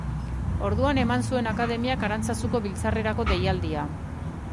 Orduan eman zuen akademiak Arantzazuko biltzarrerako deialdia.